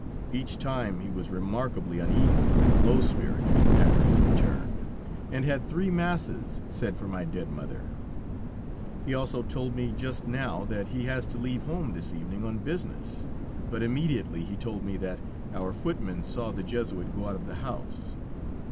Each time he was remarkably uneasy and low spirited after his return, and had three masses said for my dead mother. He also told me just now, that he has to leave home this evening on business, but immediately he told me that, our footman saw the Jesuit go out of the house.